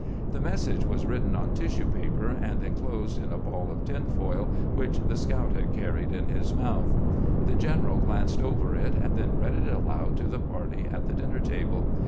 The message was written on tissue paper and inclosed in a ball of tin foil, which the scout had carried in his mouth. The general glanced over it, and then read it aloud to the party at the dinner table.